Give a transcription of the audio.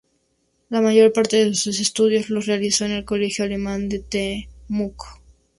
La mayor parte de sus estudios los realizó en el Colegio Alemán de Temuco.